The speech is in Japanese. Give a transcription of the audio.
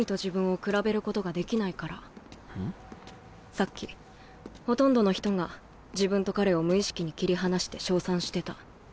さっきほとんどの人が自分と彼を無意識に切り離して賞賛してた。